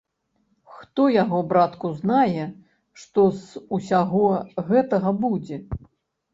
Хто яго, братку, знае, што з усяго гэтага будзе?